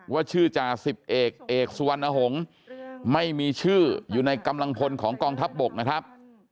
ว่าชื่อจ่าสิบเอกเอกสุวรรณหงษ์ไม่มีชื่ออยู่ในกำลังพลของกองทัพบกนะครับ